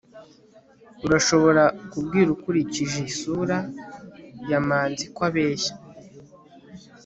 urashobora kubwira ukurikije isura ya manzi ko abeshya